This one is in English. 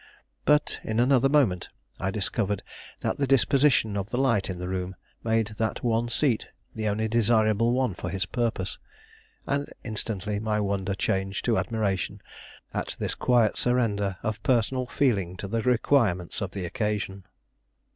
But in another moment I discovered that the disposition of the light in the room made that one seat the only desirable one for his purpose; and instantly my wonder changed to admiration at this quiet surrender of personal feeling to the requirements of the occasion.